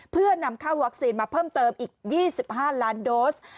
เพื่อนำเข้าวัคซีนมาเพิ่มเติมอีก๒๕ล้านโดส